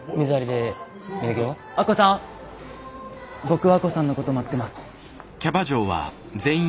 僕は亜子さんのこと待ってます。